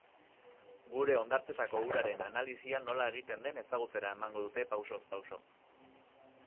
Gure hondartzetako uraren analisia nola egiten den ezagutzera emango dute pausoz pauso.